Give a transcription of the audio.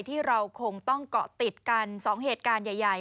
ที่เราคงต้องเกาะติดกัน๒เหตุการณ์ใหญ่